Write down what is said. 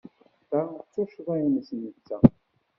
Ta d tuccḍa-nnes netta.